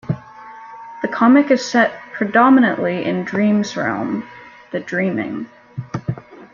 The comic is set predominantly in Dream's realm "The Dreaming".